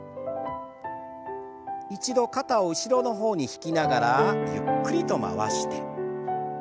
一度肩を後ろの方に引きながらゆっくりと回して。